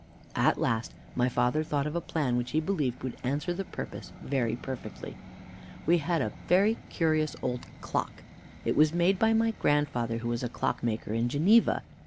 "At last my father thought of a plan which he believed would answer the purpose very perfectly. We had a very curious old clock. It was made by my grandfather, who was a clockmaker in Geneva.